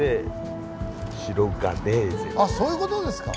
そういうことですか！